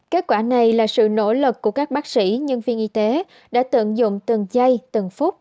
kết quả này là sự nỗ lực của các bác sĩ nhân viên y tế đã tận dụng từng chay từng phút